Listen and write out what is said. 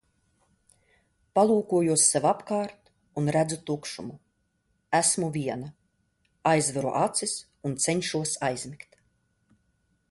Palūkojos sev apkārt un redzu tukšumu. Esmu viena. Aizveru acis un cenšos aizmigt.